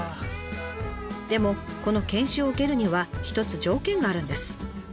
でもこの研修を受けるには一つ条件があるんです。